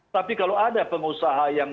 tapi kalau ada pengusaha yang